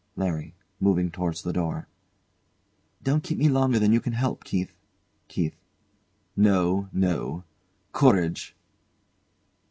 LARRY. [Moving towards the door] Don't keep me longer than you can help, Keith. KEITH. No, no. Courage!